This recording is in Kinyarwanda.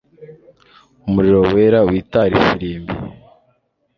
umuriro wera witara ifirimbi